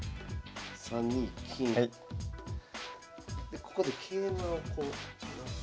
ここで桂馬をこう。